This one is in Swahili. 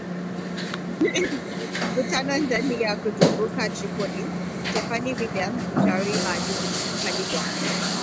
mvutano ndani na kuzunguka Tripoli, Stephanie Williams mshauri maalum kwa Libya